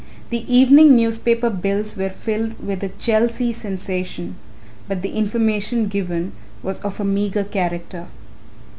The evening newspaper bills were filled with the "Chelsea Sensation" but the information given was of a meagre character.